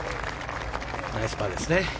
ナイスパーですね。